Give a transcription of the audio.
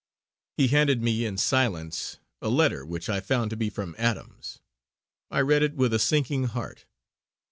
He handed me in silence a letter which I found to be from Adams. I read it with a sinking heart.